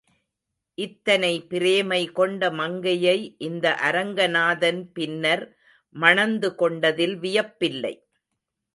இத்தனை பிரேமை கொண்ட மங்கையை இந்த அரங்கநாதன் பின்னர் மணந்து கொண்டதில் வியப்பில்லை.